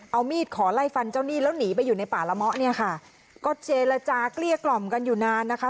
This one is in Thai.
เอามีดขอไล่ฟันเจ้าหนี้แล้วหนีไปอยู่ในป่าละเมาะเนี่ยค่ะก็เจรจาเกลี้ยกล่อมกันอยู่นานนะคะ